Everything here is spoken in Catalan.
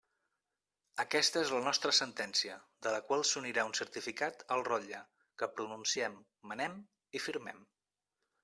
Aquesta és la nostra sentència, de la qual s'unirà un certificat al rotlle, que pronunciem, manem i firmem.